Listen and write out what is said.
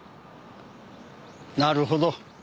なるほど。